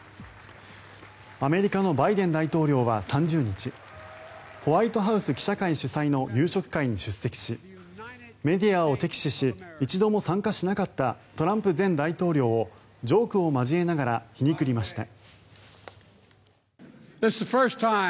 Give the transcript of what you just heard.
アメリカのバイデン大統領は３０日ホワイトハウス記者会主催の夕食会に出席しメディアを敵視し一度も参加しなかったトランプ前大統領をジョークを交えながら皮肉りました。